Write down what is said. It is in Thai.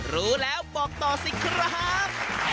รู้แล้วบอกต่อสิครับ